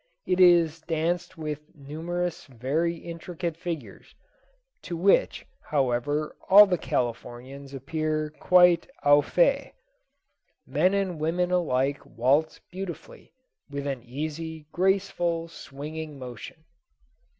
It is danced with numerous very intricate figures, to which, however, all the Californians appear quite au fait. Men and women alike waltz beautifully, with an easy, graceful, swinging motion.